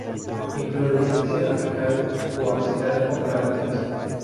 Inflorescencia apical o axilar con brácteas.